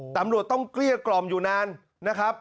ตำรวจต้องเกลี้ยกล่อมอยู่นานนะครับ